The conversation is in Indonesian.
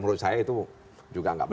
menurut saya itu juga nggak baik